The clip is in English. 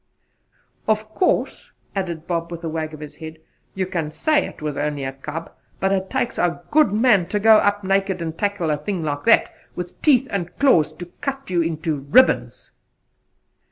"Of course," added Bob with a wag of his head, "you can say it was only a cub; but it takes a good man to go up naked and tackle a thing like that, with teeth and claws to cut you into ribbons."